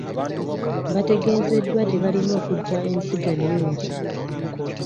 Bategezeddwa gye balina okugya ensigo ennungi.